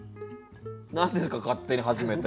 何ですか勝手に始めて。